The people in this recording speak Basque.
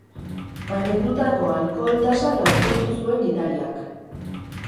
Baimendutako alkohol tasa laukoiztu zuen gidariak.